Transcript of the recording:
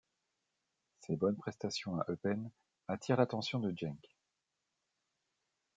Ses bonnes prestations à Eupen attirent l'attention de Genk.